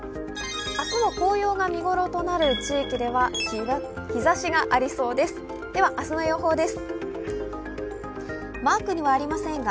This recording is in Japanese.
明日も紅葉が見頃となる地域では日ざしがありそうです。